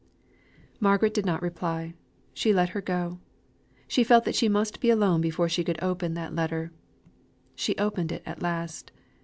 Margaret did not reply; she let her go; she felt that she must be alone before she could open that letter. She opened it at last.